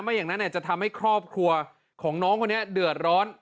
อย่างนั้นจะทำให้ครอบครัวของน้องคนนี้เดือดร้อน